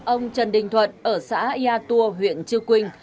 ông trần đình thuận ở xã yatua huyện chư quynh